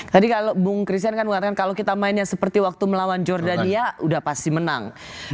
tadi kalau bung christian kan mengatakan kalau kita mainnya seperti waktu melawan jordania sudah pasti menang